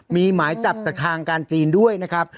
มีหมายจับจากทางการจีนด้วยนะครับ